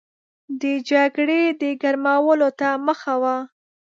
د جګړې د ګرمولو ته مخه وه.